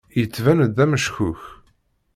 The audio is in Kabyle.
Yettban-d d ameckuk.